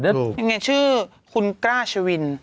ยังไงชื่อคุณกล้าเชวิน